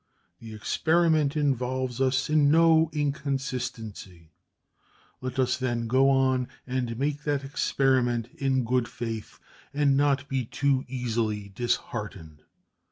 The experiment involves us in no inconsistency; let us, then, go on and make that experiment in good faith, and not be too easily disheartened.